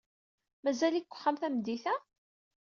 Mazal-ik deg uxxam tameddit-a?